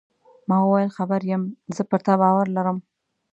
ما وویل: خبر یم، زه پر تا باور لرم.